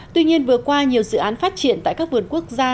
tuy nhiên vừa qua nhiều dự án phát triển tại các vườn quốc gia